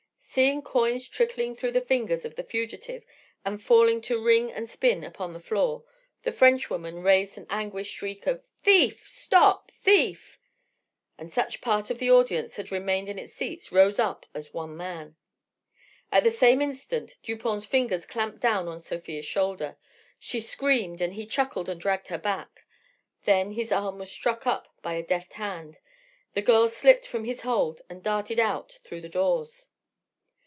Seeing coins trickling through the fingers of the fugitive and falling to ring and spin upon the floor, the Frenchwoman raised an anguished shriek of "Thief! Stop thief!"—and such part of the audience as had remained in its seats rose up as one man. In the same instant Dupont's fingers clamped down on Sofia's shoulder. She screamed, and he chuckled and dragged her back. Then his arm was struck up by a deft hand, the girl slipped from his hold and darted out through the doors.